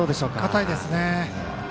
堅いですね。